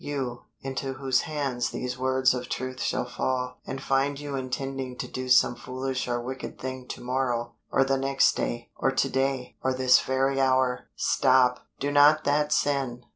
"You, into whose hands these words of truth shall fall, and find you intending to do some foolish or wicked thing to morrow, or the next day, or to day, or this very hour stop! do not that sin!